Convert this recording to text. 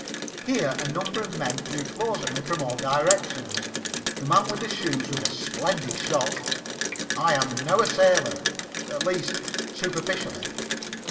Here a number of men threw clothes at me from all directions. The man with the shoes was a splendid shot. I am now a sailor at least, superficially.